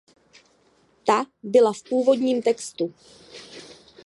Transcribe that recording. Ta byla v původním textu.